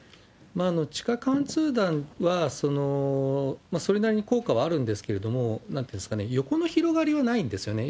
地下貫通弾は、それなりに効果はあるんですけれども、横の広がりはないんですね。